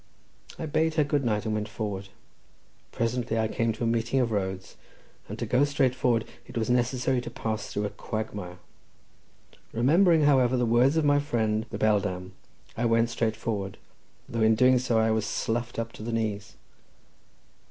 I bade her good night, and went forward. Presently I came to a meeting of roads, and to go straight forward it was necessary to pass through a quagmire; remembering, however, the words of my friend the beldame, I went straight forward, though in so doing I was sloughed up to the knees.